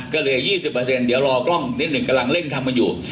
ก็เรียก๒๐เปอร์เซ็นต์เดี๋ยวรอกล้องนิดนึงกำลังเล่นทำกันอยู่